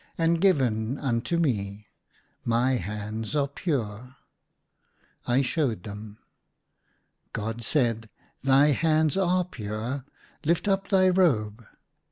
and given unto me. My hands are pure." I showed them. God said, " Thy hands are pure. — Lift up thy robe.'